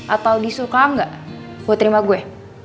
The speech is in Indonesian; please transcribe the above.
atau disuruh kamu gak buat terima gue